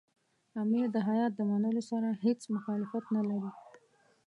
امیر د هیات د منلو سره هېڅ مخالفت نه لري.